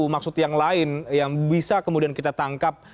maksud yang lain yang bisa kemudian kita tangkap